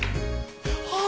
はあ！